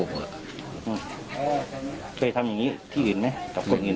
มึงไปทำอย่างนี้ที่อื่นไหม